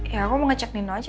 ya aku mau ngecek nino aja